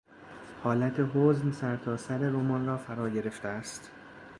حالت حزن سرتاسر رمان را فرا گرفته است.